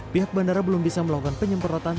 pihak bandara belum bisa melakukan penyemprotan